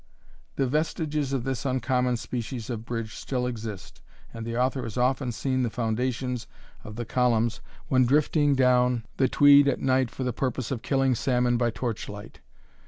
The vestiges of this uncommon species of bridge still exist, and the author has often seen the foundations of the columns when drifting down the Tweed at night for the purpose of killing salmon by torch light.